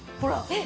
えっ！